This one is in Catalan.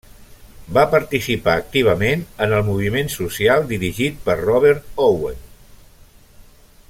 Va participar activament en el moviment social dirigit per Robert Owen.